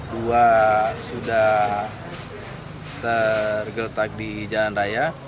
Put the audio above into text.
dua sudah tergeletak di jalan raya